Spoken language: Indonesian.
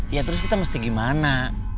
ya terus kita mesti gimana